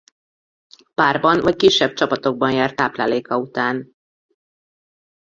Párban vagy kisebb csapatokban jár tápláléka után.